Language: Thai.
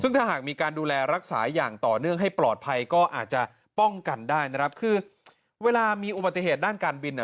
ซึ่งถ้าหากมีการดูแลรักษาอย่างต่อเนื่องให้ปลอดภัยก็อาจจะป้องกันได้นะครับคือเวลามีอุบัติเหตุด้านการบินเนี่ย